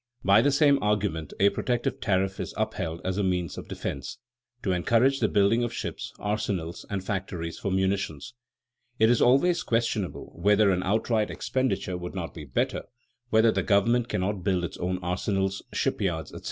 By the same argument a protective tariff is upheld as a means of defense to encourage the building of ships, arsenals, and factories for munitions. It is always questionable whether an outright expenditure would not be better, whether the government cannot build its own arsenals, ship yards, etc.